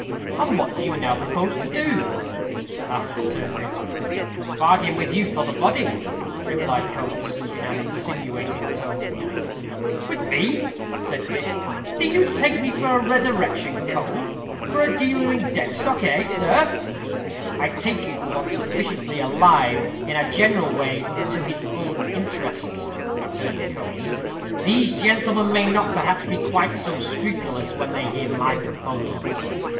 "And what do you now propose to do?" asked Turpin. "Bargain with you for the body," replied Coates, in an insinuating tone. "With me!" said Dick; "do you take me for a resurrection cove; for a dealer in dead stock, eh! sirrah?" "I take you for one sufficiently alive, in a general way, to his own interests," returned Coates. "These gentlemen may not, perhaps, be quite so scrupulous, when they hear my proposals."